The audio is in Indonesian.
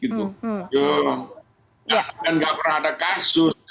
ya dan tidak pernah ada kasus